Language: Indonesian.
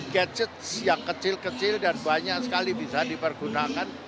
gadget yang kecil kecil dan banyak sekali bisa dipergunakan